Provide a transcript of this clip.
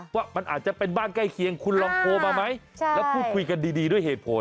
ว่ามันอาจจะเป็นบ้านใกล้เคียงคุณลองโทรมาไหมแล้วพูดคุยกันดีด้วยเหตุผล